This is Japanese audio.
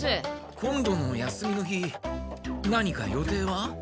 今度の休みの日何か予定は？